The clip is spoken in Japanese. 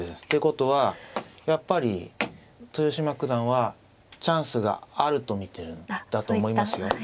ってことはやっぱり豊島九段はチャンスがあると見てるんだと思いますよ。